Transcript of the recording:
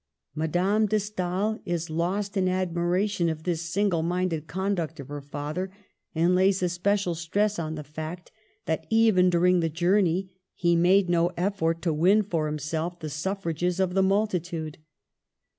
Madame de Stael is lost in admiration of this single minded conduct of her father, and lays especial stress on the fact that, even during the journey, he made no effort to win for himself the suffrages of the multitude.